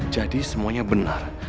jadi semuanya benar